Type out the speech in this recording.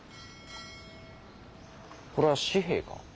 これは紙幣か？